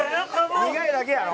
苦いだけやろ？